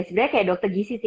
sebenarnya kayak dokter gizi